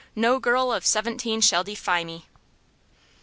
"No girl of seventeen shall defy me!"